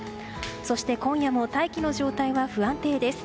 そして今夜も大気の状態は不安定です。